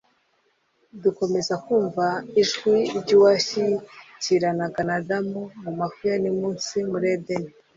dukomeza kumva ijwi iy’Uwashyikiranaga na Adamu mu mafu ya ni munsi muri Edeni.